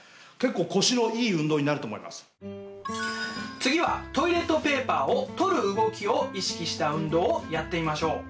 次はトイレットペーパーを取る動きを意識した運動をやってみましょう。